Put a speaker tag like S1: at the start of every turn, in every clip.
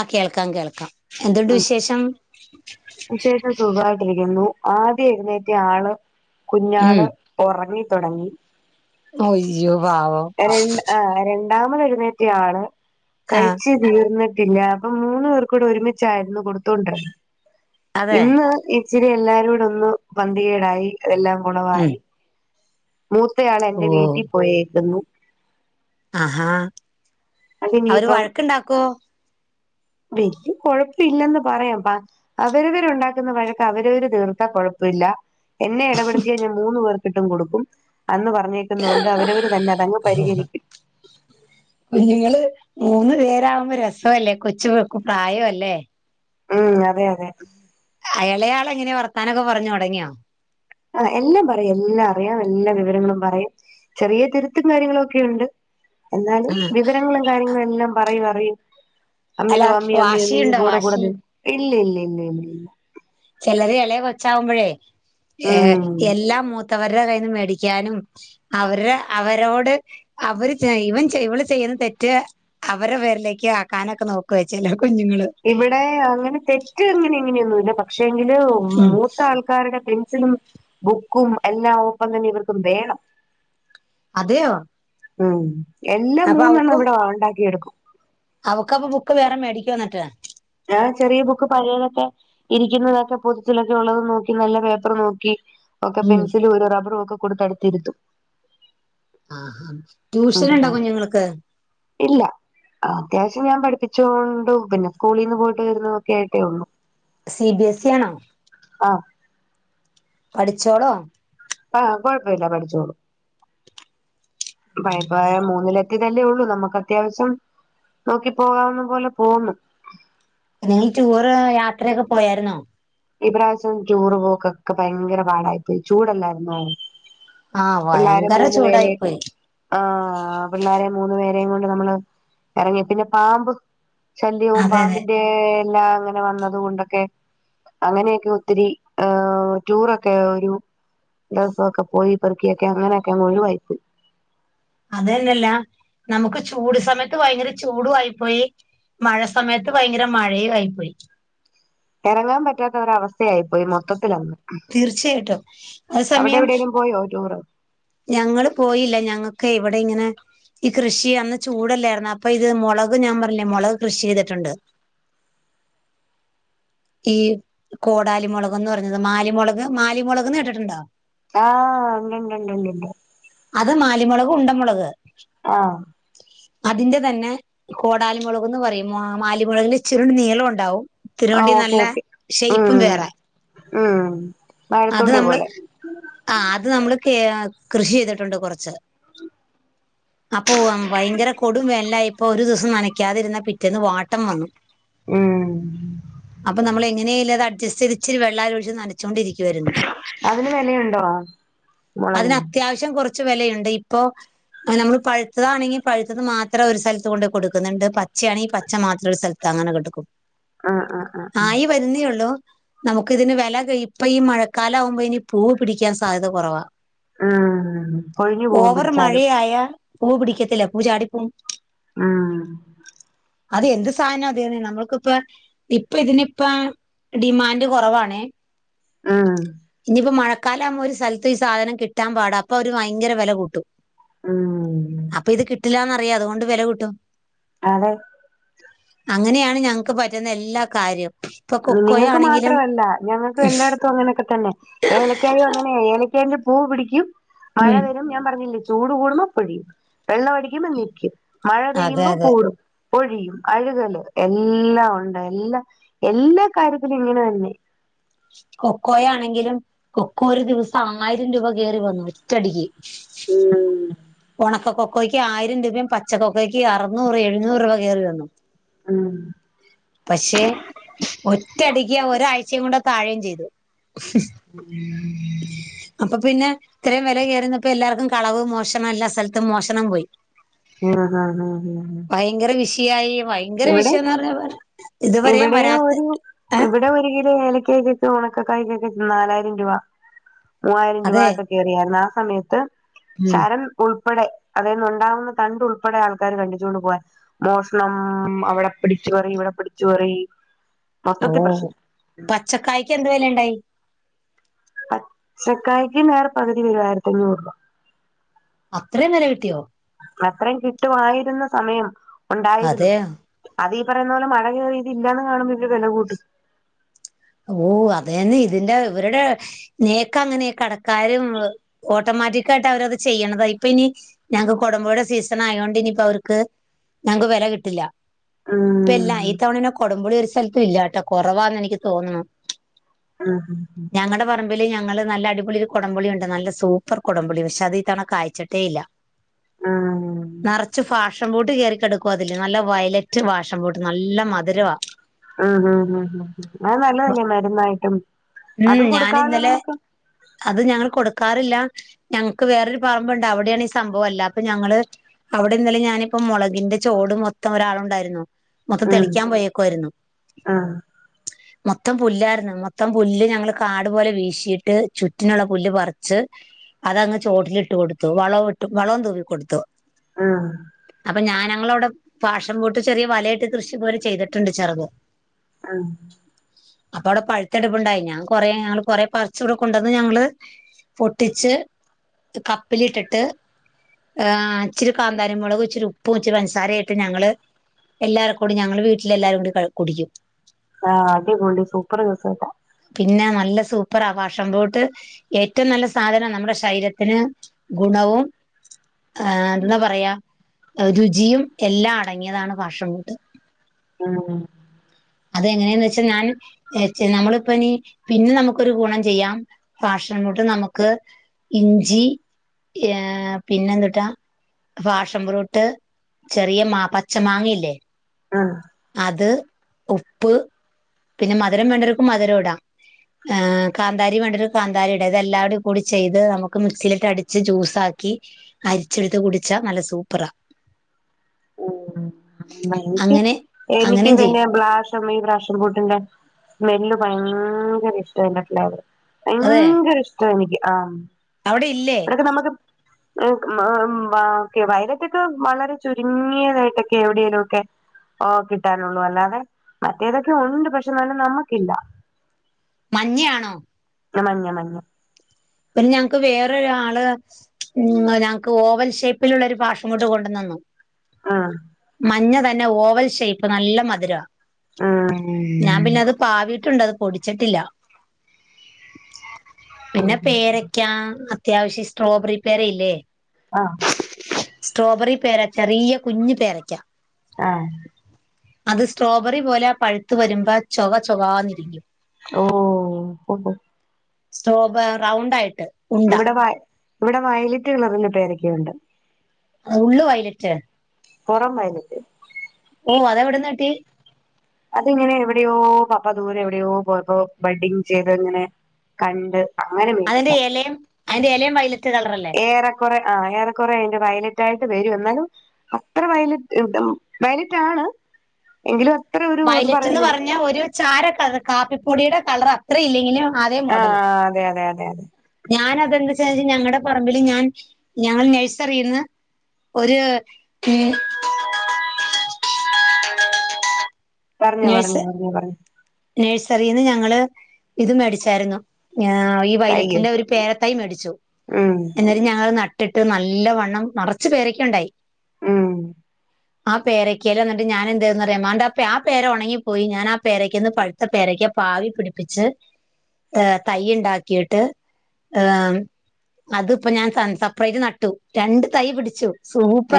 S1: ആഹ് കേൾക്കാം കേൾക്കാം എന്തുണ്ട് വിശേഷം
S2: വിശേഷം സുഖായിട്ടിരിക്കുന്നു ആദ്യം എഴുന്നേറ്റയാള്
S1: ഉം
S2: കുഞ്ഞാള് ഒറങ്ങി തുടങ്ങി
S1: അയ്യോ പാവം
S2: ആ രണ്ടാമതെഴുന്നേറ്റയാള്
S1: ആഹ്
S2: കഴിച്ച തീർന്നിട്ടില്ല അപ്പം മൂന്ന് പേർക്കുടെ ഒരുമിച്ചായിരുന്നു കൊടുത്തോണ്ടിരുന്നത്
S1: അതെ
S2: ഇന്ന് ഇച്ചിരി എല്ലാരൂടൊന്ന് പന്തികേടായി അതെല്ലാം
S1: ഉം
S2: കുളവായി
S1: ഓ
S2: മൂത്തയാളെന്റെ വീട്ടി പോയേക്കുന്നു
S1: ആഹാ അവര്
S2: അതിനിയിപ്പം
S1: വഴക്കുണ്ടാക്കോ
S2: വല്ല്യ കൊഴപ്പില്ലെന്ന് പറയാം പ അവരവരുണ്ടാക്കുന്ന വഴക്ക് അവരവര് തീർത്താ കൊഴപ്പില്ല എന്നെ എടപെടുത്തിയാ ഞാൻ മൂന്ന് പേർക്കിട്ടും കൊടുക്കും അന്ന് പറഞ്ഞ ക്കുന്നോണ്ട് അവരവര് തന്നെ അതങ്ങ് പരിഹരിക്കും
S1: കുഞ്ഞുങ്ങള് മൂന്ന് പേരാവുമ്പോ രസവല്ലേ കൊച്ചു പ്രായവല്ലേ
S2: ഉം അതെയതെ
S1: ആഹ് ഇളയാളെങ്ങനെയാ വർത്താനൊക്കെ പറഞ്ഞ് തൊടങ്ങിയോ
S2: ആ എല്ലാം പറയും എല്ലാം അറിയാം എല്ലാ വിവരങ്ങളും പറയും ചെറിയ തിരുത്തും കാര്യങ്ങളും ഒക്കെയുണ്ട് എന്നാലും
S1: ആഹ്
S2: വിവരങ്ങളും കാര്യങ്ങളും എല്ലാം പറയും അറിയും
S1: അല്ല
S2: അമ്മിയുടെ അമ്മി അമ്മി അമ്മി
S1: വാശിയുണ്ടോ
S2: കൂടെ കൂട
S1: വാശി
S2: ഇല്ലയില്ലയില്ലയില്ലയില്ല
S1: ചെലര് ഇളയ കൊച്ചാവുമ്പഴേ ഏഹ്
S2: ഉം
S1: എല്ലാം മൂത്തവരുടെ കയ്യിന്ന് മേടിക്കാനും അവര്ടെ അവരോട് അവര് ഇവൻ ഇവള് ചെയ്യുന്ന തെറ്റ് അവര്ടെ പേരിലേക്ക് ആക്കാനൊക്കെ നോക്കെ ചെലെ കുഞ്ഞുങ്ങള്
S2: ഇവിടെ അങ്ങനെ തെറ്റ് അങ്ങനിങ്ങനെയൊന്നുല്ല പക്ഷെ എങ്കില്
S1: ഉം
S2: മൂത്താൾ ത്തവരുടെ പെൻസിലും ബുക്കും എല്ലാം ഒപ്പം തന്നെ ഇവർക്കും വേണം
S1: അതെയോ
S2: ഉം എല്ലാം
S1: അപ്പൊ
S2: മൂന്നെണ്ണം
S1: അവക്കും
S2: ഇവിടെ ഉണ്ടാക്കി എടുക്കും
S1: അവക്കപ്പൊ ബുക്ക് വേറെ മേടിക്കുവൊ എന്നിട്ട്
S2: ആഹ് ചെറിയ ബുക്ക് പഴയതൊക്കെ ഇരിക്കുന്നതൊക്കെ പൊതുച്ചിലൊക്കെയുള്ളത് നോക്കി നല്ല പേപ്പറ് നോക്കി ഒക്കെ
S1: ഉം
S2: പെൻസിലു ഒരു റബറും ഒക്കെ കൊടുത്ത് അടുത്തിരിത്തും
S1: ആഹ് ട്യൂഷനുണ്ടോ
S2: ഉം
S1: കുഞ്ഞുങ്ങൾക്ക്
S2: ഇല്ല അത്യാവശ്യം ഞാൻ പഠിപ്പിച്ചോണ്ടും പിന്നെ സ്കൂളീന്ന് പോയിട്ട് വരുന്നതൊക്കെയായിട്ടേയുള്ളു
S1: സി ബി എസി ആണോ
S2: ആഹ്
S1: പഠിച്ചോളോ?
S2: ആഹ് കൊഴപ്പല്ല പഠിച്ചോളും പയപ്പ മൂന്നിലെ ത്തീട്ടെല്ലേയൊള്ളൂ നമക്കത്യാവശ്യം നോക്കി പോവാവുന്ന പോലെ പോവുന്നു.
S1: നീ ടൂറ് യാത്രയൊക്കെ പോയാര്ന്നോ?
S2: ഇപ്രാവശ്യം ടൂറ് പോക്കൊക്കെ ഭയങ്കര പാടായി പ്പോയി. ചൂടല്ലായിരുന്നോ?
S1: ആഹ്
S2: പിള്ളാരെ
S1: ഭയങ്കര
S2: മൂന്ന് പേരേ
S1: ചൂടായി പോയി
S2: ആഹ് പിള്ളാരെ മൂന്ന് പേരേം കൊണ്ട് നമ്മള് എറങ്ങി പിന്നെ പാമ്പ് ശല്യവും
S1: അതെ അതെ
S2: പാമ്പിന്റെ എല്ലാ അങ്ങനെ വന്നത് കൊണ്ടൊക്കെ അങ്ങനെയെക്കെ ഒത്തിരി ഏഹ് ടൂറൊക്കെ ഒരു ദിവസൊക്കെ പോയി പെറ്ക്കിയെക്കെ ങ്ങനെയെക്കൊന്നൊഴിവായി പോയി.
S1: അതെന്നല്ല നമക്ക് ചൂട് സമയത്ത് ഭയങ്കര ചൂടുവായിപ്പോയി മഴ സമയത്ത് ഭയങ്കര മഴയുവായി പോയി.
S2: എറങ്ങാമ്പറ്റാത്തൊരവസ്ഥയായിപ്പോയി മൊത്തത്തിലങ്.
S1: തീർച്ചയായിട്ടും അ സമയം
S2: എവിടേലും പോയോ ടൂറ്
S1: ഞങ്ങള് പോയില്ല ഞങ്ങക്ക് ഇവടെ ഇങ്ങനെ ഈ കൃഷി അന്ന് ചൂടല്ലായിര്ന്നോ അപ്പൊ ഇത് മൊളക് ഞാം പർഞ്ഞില്ലേ മൊളക് കൃഷി ചെയ്ത്ട്ട്ണ്ട്. ഈ കോടാലി മൊളകൊന്ന് പർഞ്ഞത് മാലിമൊളക് മാലിമൊളകെന്ന് കേട്ട്ട്ട്ണ്ടാ?
S2: ആഹ് ഇണ്ട് ണ്ട് ണ്ട് ണ്ട് ണ്ട്.
S1: അത് മാലിമൊളക് ഉണ്ടമൊളക്.
S2: ആഹ്
S1: അതിന്റെ തന്നെ കോടാലിമൊളകുന്ന് പറയും മാ മാലിമൊളകിൻ്റെ ഇച്ചിരൂടിം നീളുണ്ടാവും.
S2: ആഹ്
S1: ത്തിരോണ്ടി
S2: ഓക്കെ
S1: നല്ല
S2: ഓക്കെ
S1: ഷെയ്പ്പും
S2: ഉം
S1: വേറെ.
S2: ഉം
S1: അത്
S2: വാഴത്തുള്ളി
S1: നമ്മള്
S2: പോലെ
S1: ആഹ് അത് നമ്മള് കേ കൃഷി ചെയ്തിട്ടുണ്ട് കൊറച്ച്. അപ്പൊ വം വയങ്കര കൊടും വേൻലായപ്പൊ ഒരു ദൊവസം നനയ്ക്കാതിരുന്ന പിറ്റേന്ന് വാട്ടം വന്നു.
S2: ഉം
S1: അപ്പൊ നമ്മളെങ്ങനെല്ലത് അഡ്ജസ്റ്റെയ്‌ത് ഇച്ചിരി വെള്ളാ ഒഴിച്ച് നനച്ചോകൊണ്ടിരി
S2: അതിന് വെലയുണ്ടോ മൊളകിന്?
S1: ഷം കൊറച്ച് വെലയുണ്ട്. ഇപ്പോ അഹ് നമ്മള് പഴ്ത്തതാണെങ്കി പഴ്ത്തത് മാത്രം ഒരു സ്ഥൽത്ത് കൊണ്ട് കൊടുക്ക്ന്ന്ണ്ട് പച്ച്യാണെങ്കി പച്ച മാത്രൊര് സ്ഥൽ തങ്ങനെ കൊട്ക്കും.
S2: ആഹ് ആഹ് ആഹ് ആഹ്
S1: ആയി വെര്ന്നേള്ളൂ നമുക്കിതിന് വെല ക്ക് ഇപ്പ ഈ മഴക്കാലാവുമ്പോ ഇനി പൂ പിടിക്കാൻ സാധ്യത കൊറവാ.
S2: ഉം കൊഴിഞ്ഞു പോവും
S1: ഓവർ
S2: പിടിച്ചാലും
S1: മഴയായ പൂ പിടിക്കത്തില്ല പൂ ചാടിപ്പോവും.
S2: ആഹ്
S1: അത് എന്ത് സാനാതെന്നെ നമ്മൾക്കിപ്പ ഇപ്പ തിനിപ്പ ഡിമാൻഡ് കൊറവാണെ
S2: ഉം
S1: ഇനിയിപ്പോ മഴക്കാലാവുമ്പോ ഒരു സ്ഥൽത്ത് ഈ സാധനം കിട്ടാൻ പാട അപ്പ വര് വയങ്കര വെല കൂട്ടും.
S2: ഉം
S1: അപ്പ ഇത് കിട്ടില്ലാന്നറിയാം അത്കൊണ്ട് വെല കൂട്ടും.
S2: അതെ
S1: അങ്ങനെണ് ഞങ്ങക്ക് പറ്റ്ന്ന എല്ലാ കാര്യും.
S2: ഉം നിങ്ങക്ക് മാത്രവല്ല ഞങ്ങ എല്ലായിടത്തും അങ്ങനെക്കെ തെന്നെ ഏലക്കായിം അങ്ങനെ ഏലക്കായ്ന്റെ പൂ പിടിക്കും മഴ
S1: ഉം
S2: വരും ഞാൻ പറഞ്ഞില്ലേ ചൂട് കൂടുമ്പോ പൊഴിയും വെള്ളം അടിക്കുമ്പോ നിക്കും മഴ
S1: അതെ
S2: പെയ്യുമ്പോ
S1: അതെ
S2: കൂടും പൊഴിയും അഴുകല് എല്ലാം ഒണ്ട് എല്ലാം എല്ലാ കാര്യത്തിലും ഇങ്ങനെ തന്നെ
S1: കൊക്കോ ആണെങ്കിലും കൊക്കോ ഒരു ദിവസം ആയിരം രൂപ കേറി വന്നു ഒറ്റടിക്ക്
S2: ഉം
S1: ഒണക്കക്കൊക്കോയ്ക്ക് ആയിരം രൂപയും പച്ചക്കൊക്കോയ്ക്ക് അറുന്നൂറ് എഴുന്നൂറ് രൂപ കേറി വന്നു
S2: ആഹ്
S1: പക്ഷെ ഒറ്റടിക്ക് ഒരാഴ്ചയുംകൂടെ താഴെയും ചെയ്തു
S2: ഉം
S1: അപ്പൊ പിന്നെ ഇത്രയും വെല കേറിന്നപ്പോ എല്ലാർക്കും കളവ് മോഷണം എല്ലാ സ്ഥലത്തും മോഷണം പോയി
S2: ആഹ് ഹാ ഹാ ഹാ ഹാ
S1: ഭയങ്കര വിഷയായി ഭയങ്കര വിഷയന്ന് പറഞ്ഞ പോര
S2: ഇവിടെ ഒരു ഇവിടെ ഒര് കിലോ ഏലക്കായ്ക്ക ഉണക്കക്കായ്ക്കൊക്കെ നാലായിരം രൂപ മൂവായിരം രൂപ
S1: അതെ
S2: ഒക്കെ കേറിയായിരുന്നു ആ സമയത്ത്
S1: ഉം
S2: ശാരം ഉൾപ്പെടെ അതീന്ന് ഉണ്ടാവുന്ന തണ്ട് ഉൾപ്പെടെ ആൾക്കാര് കണ്ടിച്ചുകൊണ്ട് പോകാൻ മോഷണം അവിടെ പിടിച്ച്പറി ഇവിടെ പിടിച്ച്പറി
S1: ഓ പച്ചക്കായ്ക്ക് എന്തു വിലണ്ടായി
S2: പച്ചക്കായ്ക്ക് നേർ പകുതി വില ആയിരത്തി അഞ്ഞൂറ് രൂപ
S1: അത്രയും വില കിട്ടിയോ
S2: അത്രയും കിട്ടുമായിരുന്ന സമയം ഒണ്ടായിരുന്നു
S1: അതെയ
S2: അതീ പറയുന്ന പോലെ മഴയീതിരെയില്ലയന്ന് കാണുമ്പോ ഇവര് വില കൂട്ടി
S1: ഓ അതന്നെ ഇതിന്റെ ഇവരുടെ നേക്കങ്ങനെ കടക്കാരും ഓട്ടോമാറ്റിക്കായിട്ട് അവരത് ചെയ്യണതാ ഇപ്പ ഇനി ഞങ്ങക്ക് കോടമ്പോ യുടെ സീസൺ ആയോണ്ട് ഇനിയിപ്പോ അവർക്ക് ഞങ്ങക്ക് വെല കിട്ടില്ല
S2: ആഹ്
S1: ഇല്ല ഈ തവണേന്നെ കൊടമ്പുളി ഒരു സ്ഥലത്തും ഇല്ലാട്ടോ കൊറവാന്നെനിക്ക് തോന്നുണു
S2: ആഹ് ഹാ ഹാ
S1: ഞങ്ങളുടെ പറമ്പില് ഞങ്ങള് നല്ല അടിപൊളി ഒരു കോടമ്പൊളിയുണ്ട് നല്ല സൂപ്പർ കൊടമ്പുളി പക്ഷെ അത് ഇത്തവണ കായ്ച്ചിട്ടേ ഇല്ല
S2: ഉം
S1: നറച്ച് ഫാഷം ഫ്രൂട്ട് കയറിക്കെട ക്കുവാ അതില് നല്ല വയലറ്റ് വാഷം ഫ്രൂട്ട് നല്ല മധുരവാ
S2: ഉം ഉം ഉ അത് നല്ലതല്ലേ മരുന്നായിട്ടും
S1: ഉം
S2: അതും
S1: ഞാൻ
S2: കൊടുക്കാലോ
S1: ഇന്നലെ
S2: നമുക്ക്
S1: അത് ഞങ്ങള് കൊടുക്കാറില്ല ഞങ്ങക്ക് വേറൊരു പറമ്പുണ്ട് അവിടെയാണ് ഈ സംഭവ എല്ലാ അപ്പൊ ഞങ്ങള് അവിടിന്നലെ ഞാനിപ്പോ മൊളകിന്റെ ചോട് മൊത്തം ഒരാളുണ്ടാരുന്നു മൊത്തം തെളിക്കാൻ പോയേക്കുവാരുന്നു
S2: ആഹ്
S1: മൊത്തം പുല്ലായിരുന്നു മൊത്തം പുല്ല് ഞങ്ങള് കാടു പോലെ വീശീയിട്ട് ചുറ്റിനുള്ള പുല്ല് പറിച്ച് അതങ്ങ് ചോട്ടിലിട്ട് കൊടുത്തു വളം ഇട്ടു വളം തൂവിക്കൊടുത്തു
S2: ആഹ്
S1: അപ്പൊ ഞാൻ ഞങ്ങളവിടെ പാഷം പൂട്ട് ചെറിയ വലയിട്ട് കൃഷി പോലെ ചെയ്തിട്ടുണ്ട് ചെറുത്
S2: ആഹ്
S1: അപ്പ അവിടെ പഴുത്തെടുപ്പുണ്ടായി ഞാൻ കൊറെ ഞങ്ങള് കൊറേ പറിച്ച് ഇവിടെ കൊണ്ടെന്ന് ഞങ്ങള് പൊട്ടിച്ച് ഇത് കപ്പിലിട്ടിട്ട് ആ ഇച്ചിരി കാന്താരി മുളകും ഇച്ചിരി ഉപ്പും ഇച്ചിരി പഞ്ചസാരയിട്ട് ഞങ്ങള് എല്ലാര് കൂടി ഞങ്ങൾ വീട്ടിലെല്ലാരും കൂടി ക കുടിക്കും
S2: ആ അടിപൊളി സൂപ്പർ ദെസേട്ടാ
S1: പിന്നെ നല്ല സൂപ്പറാ ഭാഷംബൂട്ട് ഏറ്റവും നല്ല സാധനാ നമ്മുടെ ശരീരത്തിന് ഗുണവും ഏ ന്താപറയാ രുചിയും എല്ലാം അടങ്ങിയതാണ് ഭാഷംബൂട്ട്
S2: ആ
S1: അതെങ്ങനെന്ന് വെച്ചാൽ ഞാൻ [unintelligible] നമ്മള് പ്പനി പിന്നെ നമുക്കൊരു ഗുണം ചെയ്യാം ഭാഷംബൂട്ട്നമുക്ക് ഇഞ്ചി ഏ പിന്നെന്തുട്ടാ ഫാഷംബ്രൂട്ട് ചെറിയ മാ പച്ച മാങ്ങല്ലേ
S2: ആ
S1: അത് ഉപ്പ് പിന്നെ മധുരം വേണ്ടര്ക്കു മധുരൊടാം ഏ കാന്താരി വേണ്ടര്ക് കാന്താരിടാം ഇതെല്ലാടെ കൂടി ചെയ്ത് നമുക്ക് മിക്സിയിലിട്ട് അടിച്ച് ജ്യൂസാക്കി അരിച്ചെടുത്ത് കുടിച്ചാ നല്ല സൂപ്പറാ
S2: ഓ [unintelligible]
S1: അങ്ങനെ
S2: എനിക്ക്
S1: അങ്ങനെയും ചെയ്യും
S2: ഇതെന്നെ ബ്ലാഷ് ടെമി ബ്രാഷൻപൂട്ടിന്റെ സ്മെല്ല് ഭയങ്കര ഇഷ്ടായിൻ്റെ ഫ്ലേവർ
S1: അതെ
S2: ഭയങ്കര ഇഷ്ട നിക്ക് ആ
S1: അവിടെ ഇല്ലേ
S2: ന്നട്ട് നമക്ക് [unintelligible] വൈരക്കെട്ടൊ വളരെ ചുര് തിങ്ങിയതായിട്ടൊക്കെ എവിടെലൊക്കെ ഓ കിട്ടാനൊള്ളൂ അല്ലാതെ മറ്റേതൊക്കെ ഉണ്ട് പക്ഷെ നല്ല് നമുക്കില്ല
S1: മഞ്ഞയാണോ
S2: മഞ്ഞ മഞ്ഞ
S1: പിന് ഞങ്ങൾക്ക് വേറൊരാള് മ് ഞങ്ങക്ക് ഓവൽ ഷേപ്പിലുള്ള ഒരു ഭാഷബൂട്ട് കൊണ്ട്തന്നു
S2: ഉം
S1: മഞ്ഞ തന്നെ ഓവൽ ഷേപ്പ് നല്ല മധുരാ ഞാൻ പിന്നെ അത് പാവിട്ടുണ്ട് അത് പൊടിച്ചിട്ടില്ല
S2: [inaudible]
S1: ക്യാ അത്യാവിശ്യ സ്ട്രോബെറി പെരയില്ലേ
S2: ആ
S1: സ്ട്രോബെറി പേര ചെറിയ കുഞ്ഞ് പേരക്കൃ
S2: ആ
S1: അത് സ്ട്രോബെറി പോലെ പഴുത്ത് വെരുമ്പോ ചൊക ചൊകാന്നിരിക്കും
S2: ഓ ഹൊ ഹൊ
S1: സ്റ്റോബ റൗണ്ടായിട്ട്
S2: ഇവിടെ വയ് ഇവിടെ വയ്ലറ്റ് നിറഞ്ഞ പേരെക്കെയുണ്ട്
S1: ഉള്ള് വയലറ്റ്
S2: പൊറം വയിലറ്റ്
S1: ഓ അതെവിടെന്നട്ടി
S2: അതിങ്ങനെ എവിടെയോ പപ്പ ദൂരെ വിടെയോ പോയപ്പോ ബെഡ്ഡിങ് ചെയ്തത് ങ്ങനെ കണ്ട് അങ്ങനെ
S1: അതിന്റെ
S2: മേടിച്ചതാ
S1: എലയും അയിന്റെ എലയും വൈലറ്റ് കളറല്ലേ
S2: ഏറെക്കൊറെ ആ ഏറെക്കൊറെ അയിൻ്റെ വൈലറ്റായിട്ട് വെരും എന്നാലും അത്ര വയലറ്റ് [unintelligible] വയലറ്റാണ് എങ്കിലും അത്ര ഒരു ഇത്
S1: വയലറ്റ് എന്ന്
S2: പറയ്ല്
S1: പറഞ്ഞ ഒരു ചാര കളർ കാപ്പിപ്പൊടിയുടെ കളർ അത്ര ഇല്ലെങ്കിലും ആതേ മോഡല്
S2: ആഹ് അതെ അതെ അതെ അതെ
S1: ഞാനതെന്താച്ചച ഞങ്ങള്ടെ പറമ്പിൽ ഞാൻ ഞങ്ങൾ നേഴ്സറീന്ന് ഒര്
S2: പറഞ്ഞോ പറഞ്ഞോ പറഞ്ഞോ പറഞ്ഞോ
S1: നേഴ്സറിന്ന് ഞങ്ങള് ഇത് മേടിച്ചായിരുന്നു ഏഹ് ഈ
S2: അയ്യോ
S1: വൈലറ്റിന്റെ ഒരു പേരതൈ മേടിച്ചു
S2: ഉം
S1: എന്നി ട്ട് ഞങ്ങൾ നട്ടിട്ട് നല്ല വണ്ണം നിറച്ച് പേരക്കയുണ്ടായി
S2: ഉം
S1: ആ പേരക്കേല് എന്നിട്ട് ഞാൻ എന്ത്‌ ചെയ്തെന്ന് അറിയാമോ എന്നിട്ട് ആ ആ പേര ഉണങ്ങിപ്പോയി ഞാൻ ആ പേരക്കേന്ന് പഴുത്ത പേരക്ക പാവി പിടിപ്പിച്ച് ആഹ് തൈ ഉണ്ടാക്കിയിട്ട് ഏഹ് അതും ഇപ്പ ഞാൻ സപ്പറൈറ്റ് നട്ടു രണ്ട് തൈ പിടിച്ചു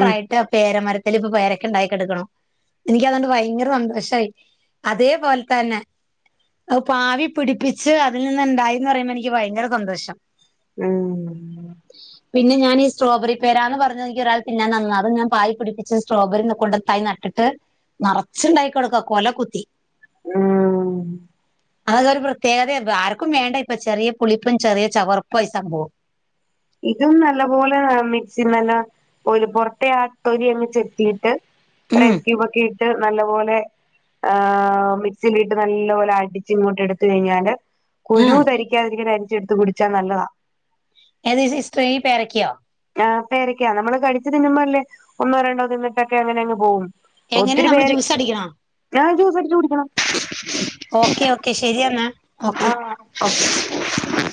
S2: ഉം
S1: ആ പേരമരത്തി ഇപ്പൊ പേരക്കെ ഉണ്ടായി കെടക്കണു എനിക്ക് അതുകൊണ്ട് ഭയങ്കര സന്തോ പക്ഷെ അതേപോലെ തന്നെ പാവി പിടിപ്പിച്ച് അതിൽ നിന്ന് ഉണ്ടായിന്ന് പറയുമ്പോൾ എനിക്ക് ഭയങ്കര സന്തോഷം
S2: ഉം
S1: പിന്നെ ഞാൻ ഈ സ്ട്രോബറി പേരാന്ന് പറഞ്ഞത് എനിക്ക് ഒരാൾ തിന്നാൻ തന്നതാ അത് ഞാൻ പാവി പിടിപ്പിച്ച് സ്ട്രോബറിന്ന് കൊണ്ട് തൈ ന ട്ടിട്ട് നിറച്ചുണ്ടായിക്ക്ണ് കൊ കൊല കുത്തി
S2: ആഹ്
S1: അതൊരു പ്രത്യേകതയാ ആർക്കും വേണ്ട ഇപ്പം ചെറിയ പുളിപ്പും ചെറിയ ചവർപ്പുവാ ഈ സംഭവം
S2: ഇതും നല്ല പോലെ മിക്സി [unintelligible] പൊറത്തെ ആ തൊലി അങ്ങ് ചെത്തിയിട്ട് ഒരു
S1: ഉം
S2: ഐസ് ക്യൂബ് ഒക്കെ ഇട്ട് നല്ല പോലെ ആ മിക്സിയിലിട്ട് നല്ലപോലെ അടിച്ച് ഇങ്ങോട്ട് എടുത്ത് കഴിഞ്ഞാല് കുരു
S1: ആഹ്
S2: കടി ക്കാതിരിക്കാൻ അരിച്ചെടുത്ത് കുടിച്ചാൽ നല്ലതാ
S1: ഏത് സിസ്റ്ററേ ഈ പേരക്കയോ?
S2: ആ പേരക്കാ നമ്മള് കടിച്ച് തിന്നുമ്മോ അല്ലേ ഒന്നോ രണ്ടോ തിന്നിട്ടൊക്കെ അങ്ങനെ അങ്ങ് പോവും
S1: എങ്ങനെ
S2: ഒത്തിരി
S1: നമ്മള്
S2: പേര്
S1: ജ്യൂസ് അടിക്കണോ
S2: ഞാൻ ജ്യൂസ് അടിച്ചു കുടിക്കണം
S1: ഓക്കേ ഓക്കെ ശരിയെന്നാ ഓക്കെ
S2: ഓഫേ